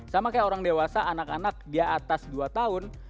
sama kayak orang dewasa anak anak di atas dua tahun